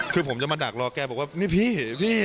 คือผมจะมาดักรอแกบอกว่านี่พี่